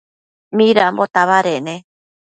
Midambo tabadec ne?